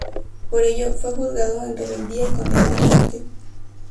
Por ello, fue juzgado en rebeldía y condenado a muerte.